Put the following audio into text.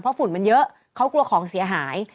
ฝุ่นมันเยอะเขากลัวของเสียหาย